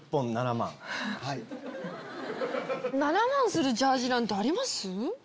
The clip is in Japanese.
７万するジャージーなんてあります？